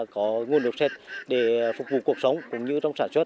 có nguồn nước sạch để phục vụ cuộc sống cũng như trong sản xuất